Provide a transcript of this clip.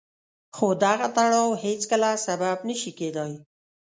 خو دغه تړاو هېڅکله سبب نه شي کېدای.